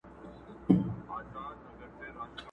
o واده يم، خبره نه يم چي په چا يم.